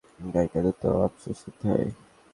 নায়িকাদের তো আপোস করতে হয়।